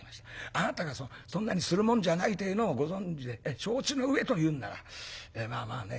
あなたがそんなにするもんじゃないってえのをご存じで承知の上というんならまあまあ